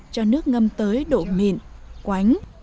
cho nước ngâm tới độ mịn quánh